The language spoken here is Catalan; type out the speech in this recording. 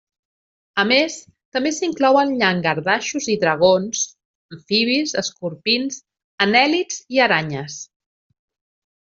A més també s'inclouen llangardaixos i dragons, amfibis, escorpins, anèl·lids i aranyes.